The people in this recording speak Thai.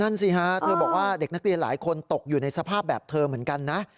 สิฮะเธอบอกว่าเด็กนักเรียนหลายคนตกอยู่ในสภาพแบบเธอเหมือนกันนะ